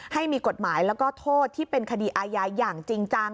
ให้มีกฎหมายแล้วก็โทษที่เป็นคดีอาญาอย่างจริงจัง